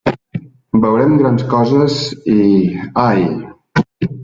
Veurem grans coses, i... ai!